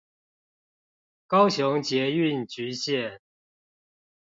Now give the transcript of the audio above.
高雄捷運橘線